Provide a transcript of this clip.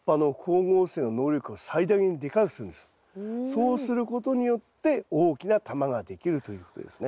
そうすることによって大きな球ができるということですね。